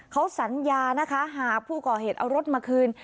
เขาสัญญานะคะหากผู้ก่อเหตุเอารถมาคืน